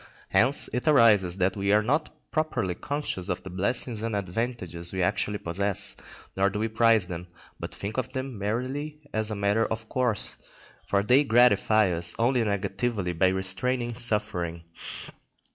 Hence it arises that we are not properly conscious of the blessings and advantages we actually possess, nor do we prize them, but think of them merely as a matter of course, for they gratify us only negatively by restraining suffering.